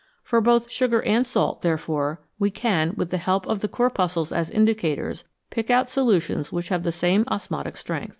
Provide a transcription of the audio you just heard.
For both sugar and salt, there fore, we can, with the help of the corpuscles as indicators, pick out solutions which have the same osmotic effect.